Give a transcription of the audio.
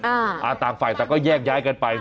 อ่าต่างฝ่ายต่างก็แยกย้ายกันไป